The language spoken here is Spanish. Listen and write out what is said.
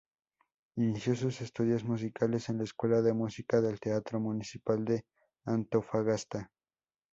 Inició sus estudios musicales en la escuela de música del Teatro Municipal de Antofagasta.